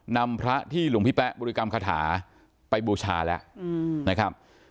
นำพระที่หลวงพี่แป๊ะบริกรรมคาถาไปบูชาแล้วนะครับ